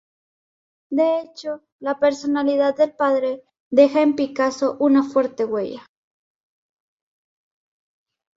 De hecho, la personalidad del padre deja en Picasso una fuerte huella.